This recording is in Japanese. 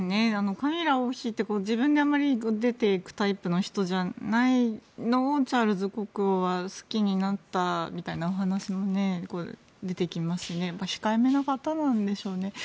カミラ王妃って自分であまり出ていくタイプの人じゃないのをチャールズ国王は好きになったみたいなお話も出てきますし控えめな方なんでしょうね。